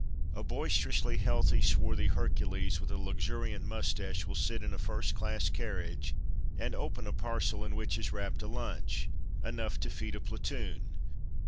A boisterously healthy, swarthy Hercules, with a luxuriant moustache will sit in a first class carriage and open a parcel in which is wrapt a lunch — enough to feed a platoon.